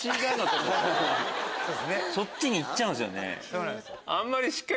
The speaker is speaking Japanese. そっちにいっちゃうんすよね。